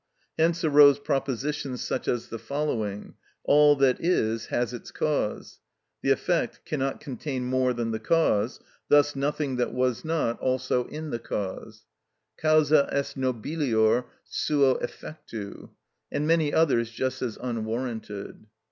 Hence arose propositions such as the following: "All that is has its cause"—"the effect cannot contain more than the cause, thus nothing that was not also in the cause"—"causa est nobilior suo effectu," and many others just as unwarranted.